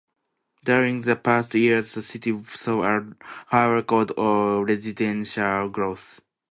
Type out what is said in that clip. During the past years, the city saw a high record of residential growth.